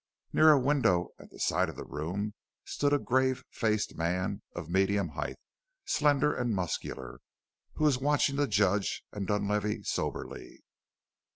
Near a window at the side of the room stood a grave faced man of medium height, slender and muscular, who was watching the Judge and Dunlavey soberly.